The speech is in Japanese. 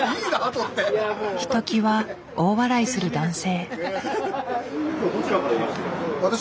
ひときわ大笑いする男性。